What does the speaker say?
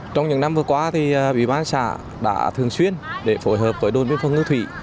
trong những năm vừa qua thì bộ bán xã đã thường xuyên để phối hợp với đôn biên phòng ngư thủy